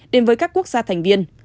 đến với các quốc gia thành viên